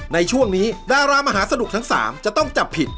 ในช่วงนี้ดารามหาสนุกทั้ง๓จะต้องจับผิด